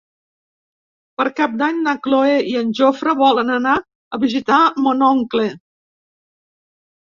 Per Cap d'Any na Cloè i en Jofre volen anar a visitar mon oncle.